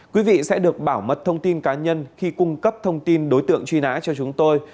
quý vị sẽ được bảo mật thông tin cá nhân khi cung cấp thông tin đối tượng truy nã cho chúng tôi